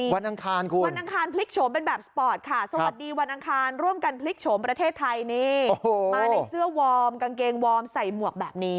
วันอังคารคุณสวัสดีวันอังคารร่วมกันพลิกโฉมประเทศไทยนี่มาในเสื้อวอร์มกางเกงวอร์มใส่หมวกแบบนี้